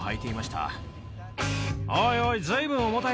おいおい。